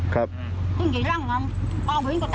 ครับ